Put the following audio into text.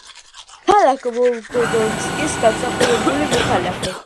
ქალაქ ვოლგოდონსკის დამსახურებული მოქალაქე.